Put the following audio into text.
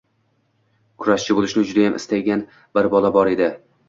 Kurashchi boʻlishni judayam istaydigan bir bola bor edi